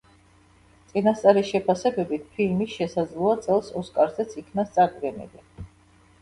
წინასწარი შეფასებებით, ფილმი შესაძლოა წელს ოსკარზეც იქნას წარდგენილი.